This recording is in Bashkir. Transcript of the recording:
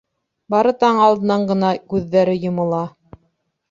Бары таң алдынан ғына күҙҙәре йомола.